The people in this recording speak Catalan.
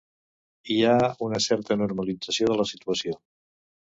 Hi ha una certa normalització de la situació.